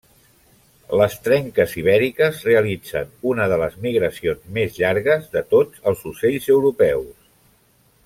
Les trenques ibèriques realitzen una de les migracions més llargues de tots els ocells europeus.